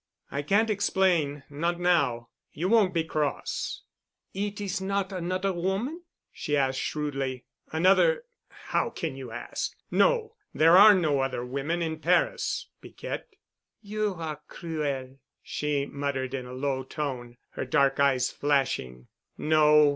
"I can't explain—not now. You won't be cross——" "It is not—anodder woman——?" she asked shrewdly. "Another——? How can you ask? No. There are no other women in Paris, Piquette." "You are cruel," she muttered in a low tone, her dark eyes flashing. "No.